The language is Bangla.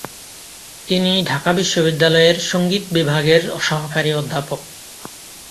তিনি ঢাকা বিশ্ববিদ্যালয়ের সংগীত বিভাগের সহকারী অধ্যাপক।